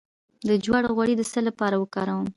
د جوارو غوړي د څه لپاره وکاروم؟